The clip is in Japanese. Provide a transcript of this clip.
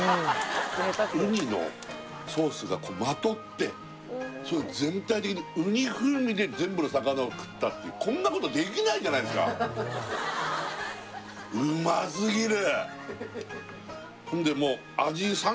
ウニのソースがこうまとってスゴイ全体的にウニ風味で全部の魚を食ったっていうこんなことできないじゃないっすかうますぎる！